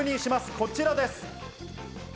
こちらです。